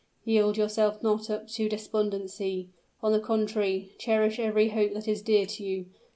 Yield yourself not up to despondency on the contrary, cherish every hope that is dear to you.